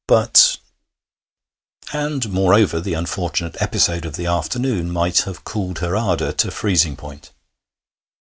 But And, moreover, the unfortunate episode of the afternoon might have cooled her ardour to freezing point.